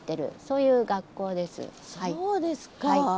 そうですか。